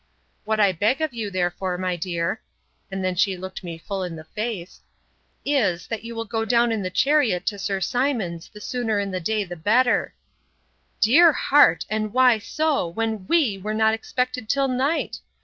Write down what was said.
'—What I beg of you, therefore, my dear, [and then she looked me full in the face,] is, that you will go in the chariot to Sir Simon's, the sooner in the day the better;—'Dear heart! and why so, when WE were not expected till night?